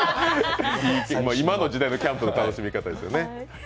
今の時代のキャンプの楽しみ方ですよね。